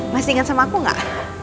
masih ingat sama aku gak